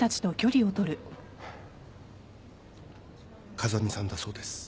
風見さんだそうです。